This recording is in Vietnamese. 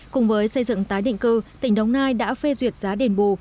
cùng với xây dựng tái định cư tỉnh đống nai đã phê duyệt giá đền bù